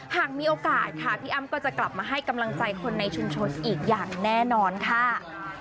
หากมีโอกาสค่ะพี่อ้ำก็จะกลับมาให้กำลังใจคนในชุมชนอีกอย่างแน่นอนค่ะ